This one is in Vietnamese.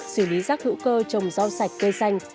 xử lý rác hữu cơ trồng rau sạch cây xanh